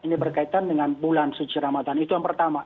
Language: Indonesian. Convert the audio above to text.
ini berkaitan dengan bulan suci ramadan itu yang pertama